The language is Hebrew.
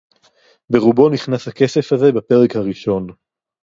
בְּרֻובּוֹ נִכְנַס הַכֶּסֶף הַזֶּה בְּפֶרֶק הָרִאשׁוֹן